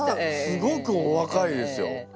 すごくおわかいですよ。